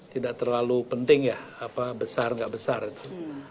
tidak terlalu penting ya apa besar nggak besar itu